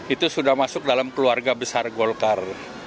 itu sudah masuk dalam keluarga besar golkar